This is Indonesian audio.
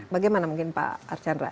bagaimana mungkin pak archandra